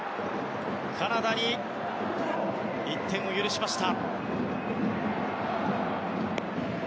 カナダに１点を許しました。